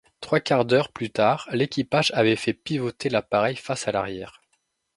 Trois quarts d'heures plus tard, l'équipage avait fait pivoter l'appareil face à l'arrière.